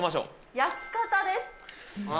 焼き方です。